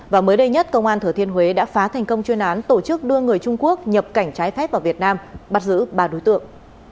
và mới đây nhất công an thừa thiên huế đã phá thành công chuyên án tổ chức đưa người trung quốc nhập cảnh trái phép vào việt nam bắt giữ ba đối tượng